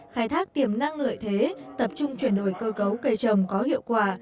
khai thác tiềm năng lợi thế tập trung chuyển đổi cơ cấu cây trồng có hiệu quả